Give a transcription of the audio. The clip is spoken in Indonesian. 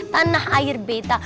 tanah air beta